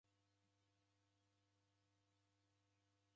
Choo dende daya machi.